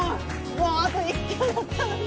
もうあと１球だったのに！